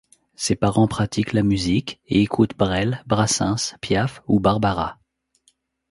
Ses parents pratiquent la musique et écoutent Brel, Brassens, Piaf ou Barbara.